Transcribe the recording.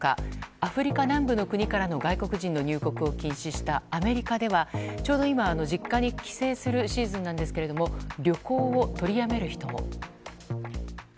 アフリカ南部の国からの外国人の入国を禁止したアメリカではちょうど今実家に帰省するシーズンなんですが旅行を取りやめる人も。